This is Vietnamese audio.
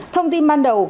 thông tin ban đầu